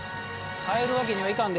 帰るわけにはいかんで。